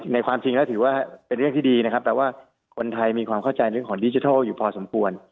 ความจริงแล้วถือว่าเป็นเรื่องที่ดีนะครับแต่ว่าคนไทยมีความเข้าใจเรื่องของดิจิทัลอยู่พอสมควร